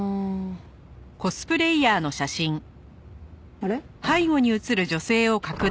あれ？